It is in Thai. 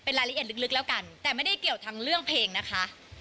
รายละเอียดลึกแล้วกันแต่ไม่ได้เกี่ยวทั้งเรื่องเพลงนะคะ